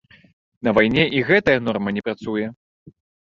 На вайне і гэтая норма не працуе?